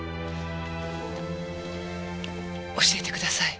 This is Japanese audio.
教えてください。